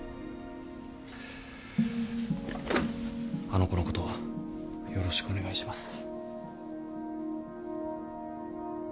あの子のことよろしくお願いします。